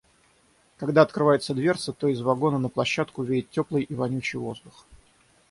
Когда открывается дверца, то из вагона на площадку веет теплый и вонючий воздух.